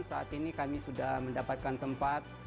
saat ini kami sudah mendapatkan tempat